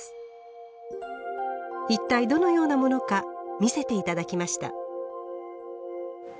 一体どのようなものか見せて頂きました。